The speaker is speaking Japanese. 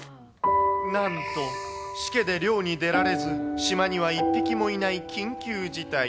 なんとしけで漁に出られず、島には１匹もいない緊急事態。